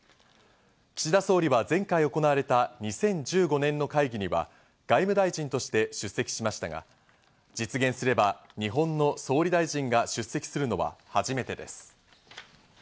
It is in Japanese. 岸田総理は前回行われた２０１５年の会議には、外務大臣として出席しましたが、実現すれば日本の総理大臣が出席するのは初めてです。